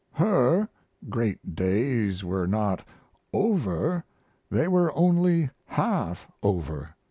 "Her" great days were not "over," they were only half over.